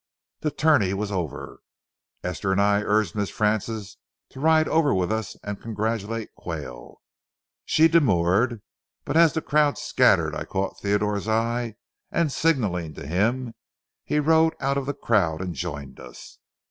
The tourney was over. Esther and I urged Miss Frances to ride over with us and congratulate Quayle. She demurred; but as the crowd scattered I caught Theodore's eye and, signaling to him, he rode out of the crowd and joined us.